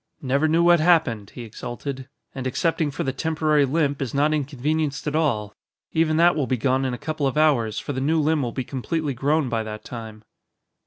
"Never knew what happened," he exulted, "and excepting for the temporary limp is not inconvenienced at all. Even that will be gone in a couple of hours, for the new limb will be completely grown by that time."